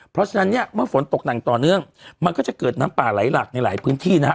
เพราะฉะนั้นเนี่ยเมื่อฝนตกหนักต่อเนื่องมันก็จะเกิดน้ำป่าไหลหลักในหลายพื้นที่นะฮะ